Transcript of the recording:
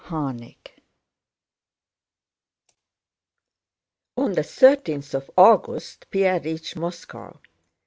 CHAPTER X On the thirtieth of August Pierre reached Moscow.